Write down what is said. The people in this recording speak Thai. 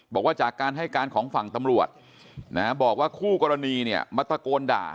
บอกว่าจากการให้การของฝั่งตำรวจบอกว่าคู่กรณีเนี่ยมาตะโกนด่า